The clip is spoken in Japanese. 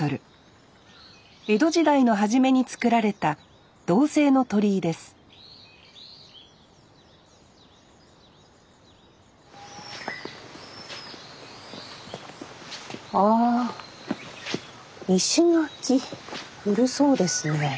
江戸時代の初めに造られた銅製の鳥居ですああ石垣古そうですね。